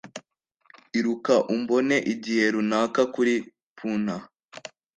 iruka umbone igihe runaka kuri punta